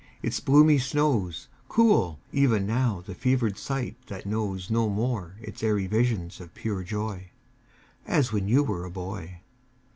Its bloomy snows Cool even now the fevered sight that knows No more its airy visions of pure joy As when you were a boy.